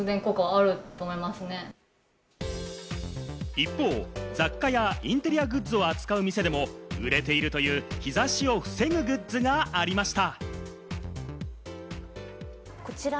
一方、雑貨やインテリアグッズを扱う店でも売れているという、日差しを防ぐグッズがありました。